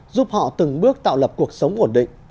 giúp họ từng bước tạo lập cuộc sống ổn định